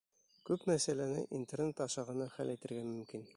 Күп мәсьәләне Интернет аша ғына хәл итергә мөмкин.